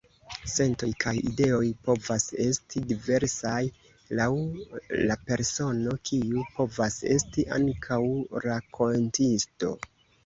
Sentoj kaj ideoj povas esti diversaj, laŭ la persono, kiu povas esti ankaŭ rakontisto.